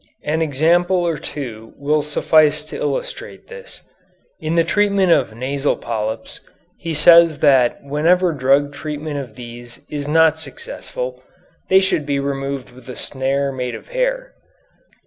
An example or two will suffice to illustrate this. In the treatment of nasal polyps he says that whenever drug treatment of these is not successful, they should be removed with a snare made of hair.